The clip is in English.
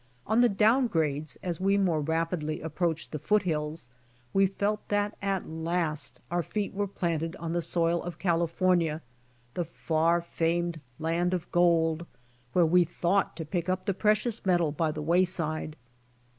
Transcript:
On the down grades as we more rapidh' approached the foot hills we felt that at last our feet were planted on the soil of California, the far famed land of gold, where FIRST GLIMPSES OF MINING 133 we thought to pick up the precious metal by the way side.